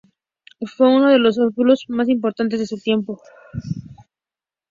Fue uno de los obispos más importantes de su tiempo.